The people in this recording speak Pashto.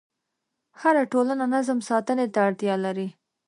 هره ټولنه نظم ساتنې ته اړتیا لري.